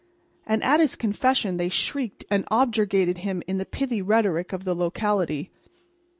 And at his confession they shrieked and objurgated him in the pithy rhetoric of the locality.